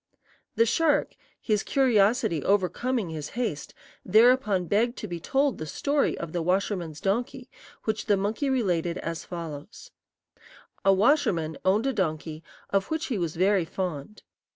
The shark, his curiosity overcoming his haste, thereupon begged to be told the story of the washerman's donkey, which the monkey related as follows: "A washerman owned a donkey, of which he was very fond.